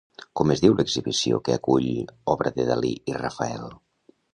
Com es diu l'exhibició que acull obra de Dalí i Rafael?